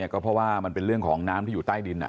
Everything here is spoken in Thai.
ก็เพราะว่ามันเป็นเรื่องของน้ำที่อยู่ใต้ดิน